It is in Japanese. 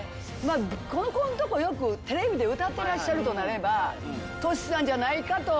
ここんとこよくテレビで歌ってらっしゃるとなればＴｏｓｈｌさんじゃないかと。